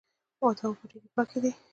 دا اوبه ډېرې پاکې دي